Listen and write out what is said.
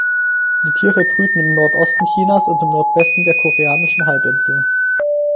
Die Tiere brüten im Nordosten Chinas und im Nordwesten der koreanischen Halbinsel.